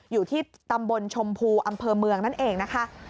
อยู่ที่ตำบลชมพูอำเภอเมืองนั่นเองนะคะ